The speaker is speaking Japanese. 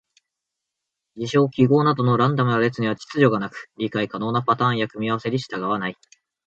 事象・記号などのランダムな列には秩序がなく、理解可能なパターンや組み合わせに従わない。